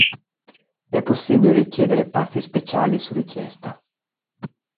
È possibile richiedere pasti speciali su richiesta.